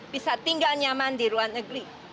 bisa tinggal nyaman di luar negeri